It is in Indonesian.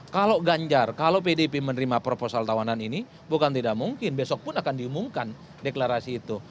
kalau ganjar kalau pdip menerima proposal tawanan ini bukan tidak mungkin besok pun akan diumumkan deklarasi itu